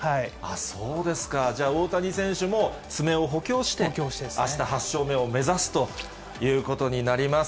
そうですか、じゃあ大谷選手も爪を補強して、あした８勝目を目指すということになります。